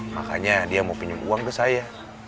makanya dia mau pinjam uang ke saya